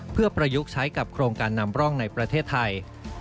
เพื่อประยุกต์ใช้กับโครงการนำร่องในประเทศไทย